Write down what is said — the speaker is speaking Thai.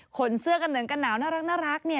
เสื้อกันเหลืองกันหนาวน่ารักเนี่ย